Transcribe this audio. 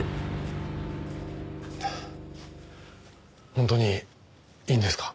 本当にいいんですか？